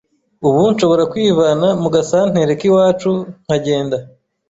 ” Ubu nshobora kwivana mu gasantere k’iwacu nkagenda